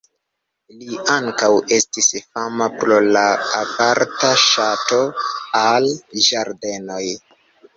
Li ankaŭ estis fama pro la aparta ŝato al ĝardenoj.